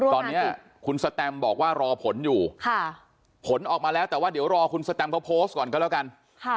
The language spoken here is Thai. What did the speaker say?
ตอนนี้คุณสแตมบอกว่ารอผลอยู่ผลออกมาแล้วแต่ว่าเดี๋ยวรอคุณสแตมเขาโพสต์ก่อนก็แล้วกัน